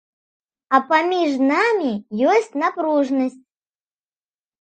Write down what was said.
А паміж намі ёсць напружанасць.